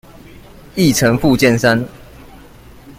議程附件三